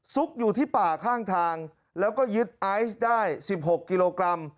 อยู่ที่ป่าข้างทางแล้วก็ยึดไอซ์ได้๑๖กิโลกรัม